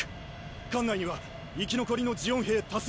艦内には生き残りのジオン兵多数。